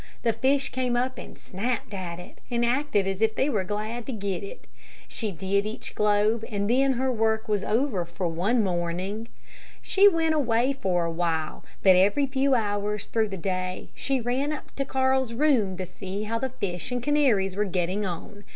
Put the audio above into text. The fish came up and snapped at it, and acted as if they were glad to get it. She did each globe and then her work was over for one morning. She went away for a while, but every few hours through the day she ran up to Carl's room to see how the fish and canaries were getting on.